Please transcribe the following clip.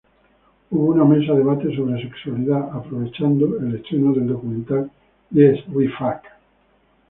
Hubo una mesa debate sobre sexualidad aprovechando el estreno del documental "Yes, we fuck!